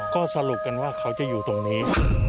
ก็สรุปกันว่าเขาจะอยู่ตรงนี้